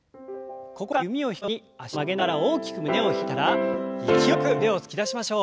ここから弓を引くように脚を曲げながら大きく胸を開いたら勢いよく腕を突き出しましょう。